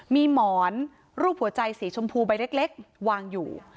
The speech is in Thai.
มีหมอนรูปหัวใจสีชมพูใบเล็กวางอยู่